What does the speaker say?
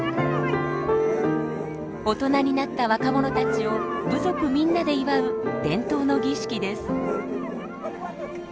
大人になった若者たちを部族みんなで祝う伝統の儀式です。